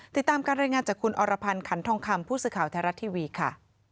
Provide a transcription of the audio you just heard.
ติดตามการรายงานจากคุณอรพันธ์ขันทองคำผู้สื่อข่าวไทยรัฐทีวีค่ะ